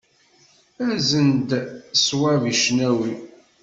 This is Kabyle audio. Azen-d ṣwab i cnawi.